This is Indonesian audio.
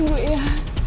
lo mau tunjuk ya